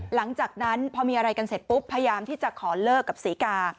หลังจากนั้นพอมีอะไรกันเสร็จปุ๊บพยายามที่จะขอเลิกกับศรีกา